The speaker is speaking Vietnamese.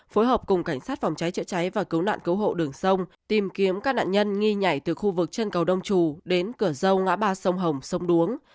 phối hợp cùng cảnh sát phòng cháy chữa cháy và cứu nạn cứu hộ đường sông tìm kiếm các nạn nhân nghi nhảy từ khu vực chân cầu đông trù đến cửa dâu ngã ba sông hồng sông đuống